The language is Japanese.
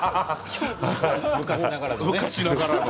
昔ながらの。